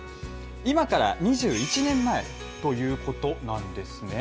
今から２１年前ということなんですね。